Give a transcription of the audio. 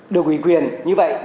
được ủy quyền như vậy